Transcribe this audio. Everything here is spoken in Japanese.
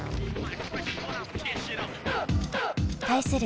対する